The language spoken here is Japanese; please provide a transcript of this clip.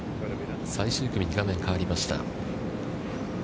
最終組に画面変わりました。